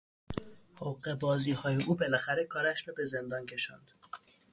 حقهبازیهای او بالاخره کارش را به زندان کشاند.